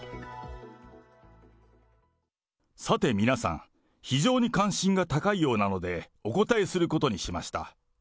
さて皆さん、非常に関心が高いようなので、お答えすることにしました。